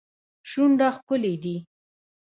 شونډه ښکلې دي.